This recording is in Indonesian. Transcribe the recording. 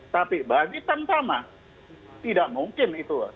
tapi bagi tantama tidak mungkin itu